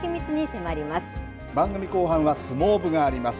番組後半は相撲部があります。